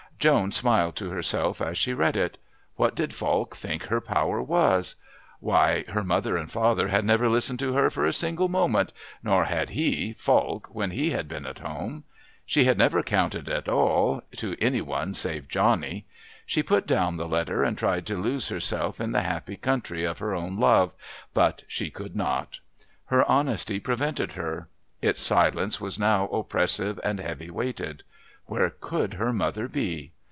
Joan smiled to herself as she read it. What did Falk think her power was? Why, her mother and father had never listened to her for a single moment, nor had he, Falk, when he had been at home. She had never counted at all to any one save Johnny. She put down the letter and tried to lose herself in the happy country of her own love, but she could not. Her honesty prevented her; its silence was now oppressive and heavy weighted. Where could her mother be?